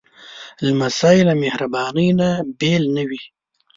لمسی له مهربانۍ نه بېل نه وي.